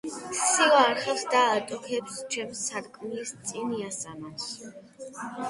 სიო არხევს და ატოკებს ჩემს სარკმლის წინ იასამანს.